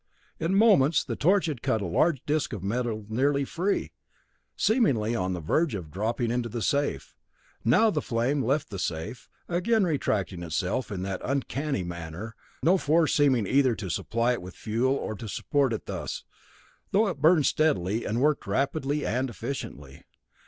In moments, the torch had cut a large disc of metal nearly free; seemingly on the verge of dropping into the safe. Now the flame left the safe, again retracting itself in that uncanny manner, no force seeming either to supply it with fuel or to support it thus, though it burned steadily, and worked rapidly and efficiently.